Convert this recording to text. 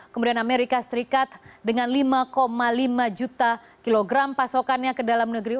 kemudian amerika serikat dengan lima lima juta kilogram pasokannya ke dalam negeri